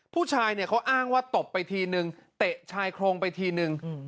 ผู้ชายเนี่ยเขาอ้างว่าตบไปทีนึงเตะชายโครงไปทีนึง